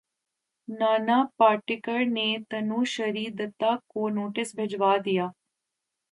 نانا پاٹیکر نے تنوشری دتہ کو نوٹس بھجوا دیا